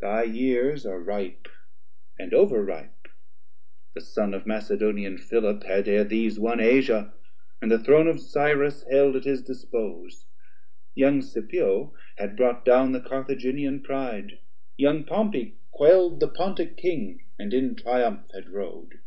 30 Thy years are ripe, and over ripe, the Son Of Macedonian Philip had e're these Won Asia and the Throne of Cyrus held At his dispose, young Scipio had brought down The Carthaginian pride, young Pompey quell'd The Pontic King and in triumph had rode.